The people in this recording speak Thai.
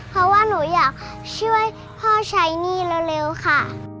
เพราะว่าหนูอยากช่วยพ่อใช้หนี้เร็วค่ะ